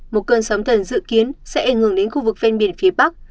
một cơn sóng thần dự kiến sẽ ảnh hưởng đến khu vực ven biển phía bắc